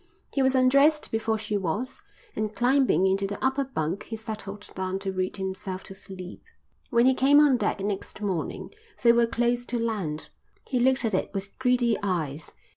He was undressed before she was, and climbing into the upper bunk he settled down to read himself to sleep. When he came on deck next morning they were close to land. He looked at it with greedy eyes.